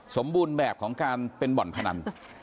สมบูรณ์แบบของการเป็นบ่อนพนัน